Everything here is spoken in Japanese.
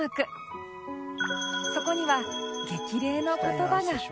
そこには激励の言葉が